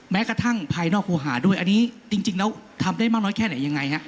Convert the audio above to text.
แม้กระทั่งภายนอกครูหาด้วยอันนี้จริงแล้วทำได้มากน้อยแค่ไหนยังไงฮะ